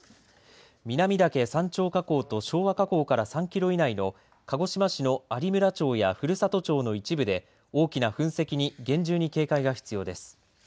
南岳山頂火口と昭和火口から３キロ以内の鹿児島市の有村町や古里町の一部で大きな噴石に厳重に警戒が必要です。